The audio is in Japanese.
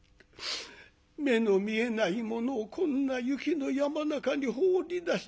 目の見えない者をこんな雪の山中に放り出す。